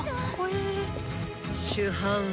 主犯は。